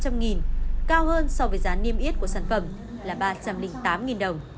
cao hơn so với giá niêm yết của sản phẩm là ba trăm linh tám đồng